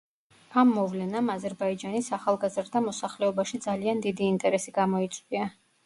ამ მოვლენამ აზერბაიჯანის ახალგაზრდა მოსახლეობაში ძალიან დიდი ინტერესი გამოიწვია.